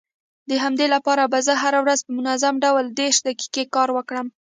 د همدې لپاره به زه هره ورځ په منظم ډول دېرش دقيقې کار وکړم.